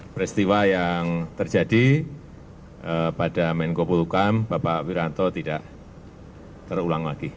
peristiwa yang terjadi pada menko polukam bapak wiranto tidak terulang lagi